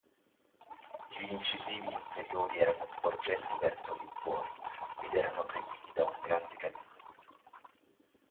Gli incisivi inferiori erano sporgenti verso l'infuori, ed erano seguiti da un grande canino.